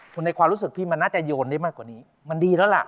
คุณในความรู้สึกพี่มันน่าจะโยนได้มากกว่านี้มันดีแล้วล่ะ